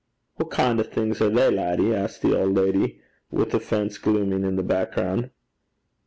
'What kin' o' things are they, laddie?' asked the old lady, with offence glooming in the background.